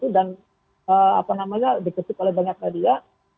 dan diketuk oleh banyak media